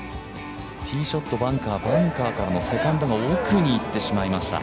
ティーショット、バンカーバンカーからセカンドが奥に行ってしまいました。